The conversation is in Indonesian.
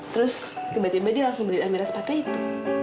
terus tiba tiba dia langsung beli amira sepatu itu